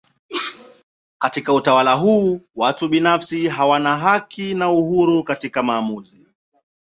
Katika utawala huu watu binafsi hawana haki na uhuru katika maamuzi.